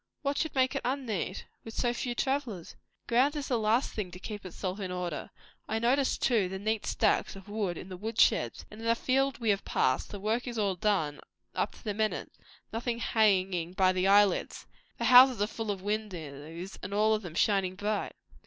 "What should make it unneat? with so few travellers?" "Ground is the last thing to keep itself in order. I notice, too, the neat stacks of wood in the wood sheds. And in the fields we have passed, the work is all done, up to the minute; nothing hanging by the eyelids. The houses are full of windows, and all of them shining bright."